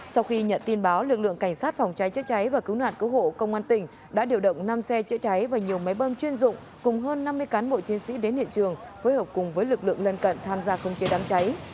sau khi nhận tin báo lực lượng cảnh sát phòng cháy chữa cháy và cứu nạn cứu hộ công an tỉnh đã điều động năm xe chữa cháy và nhiều máy bơm chuyên dụng cùng hơn năm mươi cán bộ chiến sĩ đến hiện trường phối hợp cùng với lực lượng lân cận tham gia khống chế đám cháy